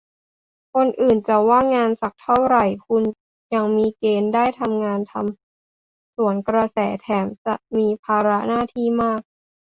คนอื่นจะว่างงานสักเท่าไหร่คุณยังมีเกณฑ์ได้งานทำสวนกระแส แถมจะมีภาระหน้าที่มาก